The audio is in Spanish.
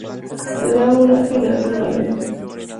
Se da una generación al año.